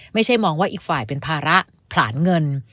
ไม่ใช่มองว่าอีกฝ่ายเป็นภาระผลาญเงิน